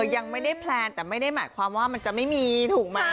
ยังไม่ได้แพลนแต่ไม่ได้หมายความว่ามันจะไม่มีถูกไหม